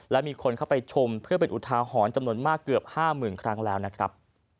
และมีคนเข้าไปชมเพื่อเป็นอุทาหรณ์จำนวนมากเกือบ๕๐๐๐ครั้งแล้วนะครับ